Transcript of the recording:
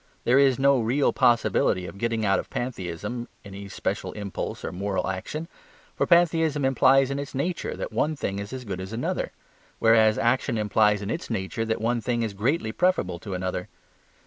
There is no real possibility of getting out of pantheism, any special impulse to moral action. For pantheism implies in its nature that one thing is as good as another; whereas action implies in its nature that one thing is greatly preferable to another.